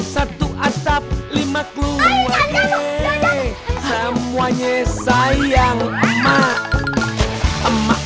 semuanya sayang emak